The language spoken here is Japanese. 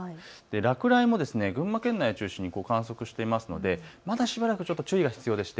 落雷も群馬県内を中心に観測していますので、まだしばらく注意が必要です。